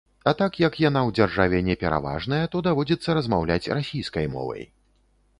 А так як яна ў дзяржаве не пераважная, то даводзіцца размаўляць расійскай мовай.